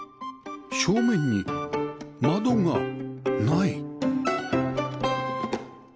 正面に窓がない？